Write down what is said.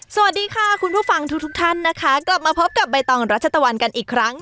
สวัสดีค่ะคุณผู้ฟังทุกทุกท่านนะคะกลับมาพบกับใบตองรัชตะวันกันอีกครั้ง